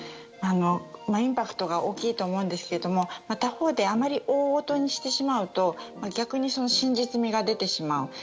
インパクトが大きいと思うんですけど他方であまり大ごとにしてしまうと逆に真実味が出てしまう。